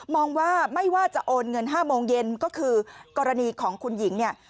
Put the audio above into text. มองว่าไม่ว่าจะโอนเงิน๕โมงเย็นก็คือกรณีของคุณหญิงเนี่ย